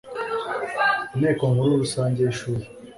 inteko nkuru rusange yi shuri